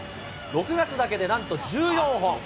６月だけでなんと１４本。